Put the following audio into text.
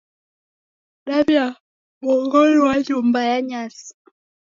Dawaibongorua nyumba ya nyasi.